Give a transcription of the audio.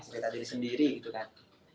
cerita diri sendiri gitu kan